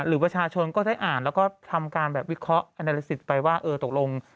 หรือประชาชนก็ได้อ่านแล้วก็ทำการแบบวิเคราะห์อนาฬิสิทธิ์ไปว่าเออตกลง